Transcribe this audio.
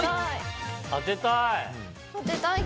当てたい！